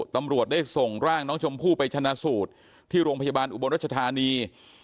ตำรวจได้ส่งร่างน้องชมพู่ไปชนะสูตรที่โรงพยาบาลอุบลรัชธานี